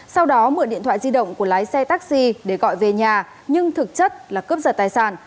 sau đó mượn điện thoại di động của lái xe taxi để gọi về nhà nhưng thực chất là cướp giật tài sản